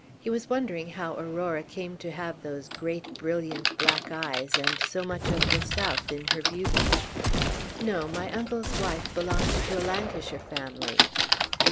He was wondering how Aurora came to have those great, brilliant black eyes, and so much of the south in her beauty. "No; my uncle's wife belonged to a Lancashire family."